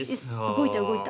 動いた動いた。